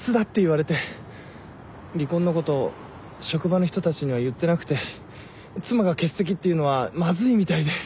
離婚のこと職場の人たちには言ってなくて妻が欠席っていうのはまずいみたいで。